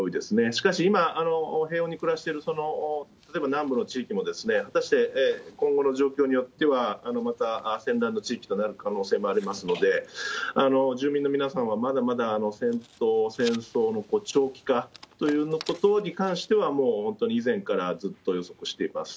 しかし今、平穏に暮らしてる、例えば南部の地域も、果たして今後の状況によっては、また戦乱の地域となる可能性もありますので、住民の皆さんはまだまだ戦闘、戦争の長期化ということに関しては、もう本当に以前からずっと予測しています。